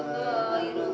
ya ampun ya mas